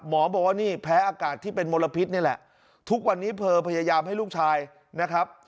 หมอบอกว่านี่แพ้อากาศที่เป็นมลพิษนี่แหละทุกวันนี้เธอพยายามให้ลูกชายนะครับ